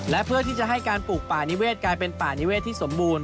และเพื่อที่จะให้การปลูกป่านิเวศกลายเป็นป่านิเวศที่สมบูรณ